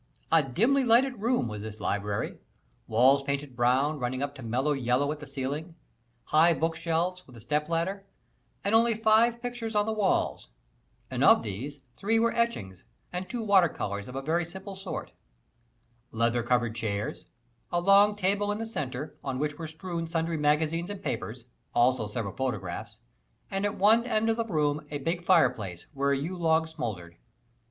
A dimly lighted room was this library walls painted brown, running up to mellow yellow at the ceiling, high bookshelves, with a stepladder, and only five pictures on the walls, and of these three were etchings, and two water colors of a very simple sort; leather covered chairs; a long table in the center, on which were strewn sundry magazines and papers, also several photographs; and at one end of the room a big fireplace, where a yew log smoldered.